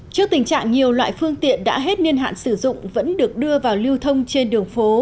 trước tình trạng nhiều loại phương tiện đã hết niên hạn sử dụng vẫn được đưa vào lưu thông trên đường phố